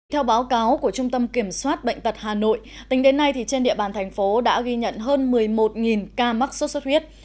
theo báo cáo của trung tâm kiểm soát bệnh tật hà nội tính đến nay trên địa bàn thành phố đã ghi nhận hơn một mươi một ca mắc sốt xuất huyết